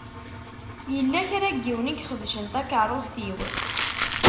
Yella kra n yiwen i ixebcen takeṛṛust-iw.